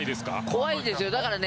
怖いですよ。